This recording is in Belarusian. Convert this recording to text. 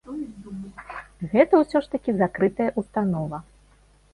Гэта ўсё ж такі закрытая ўстанова.